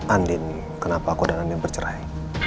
andin kenapa aku dan andin bercerai